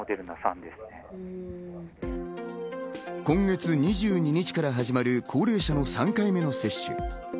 今月２２日から始まる高齢者の３回目の接種。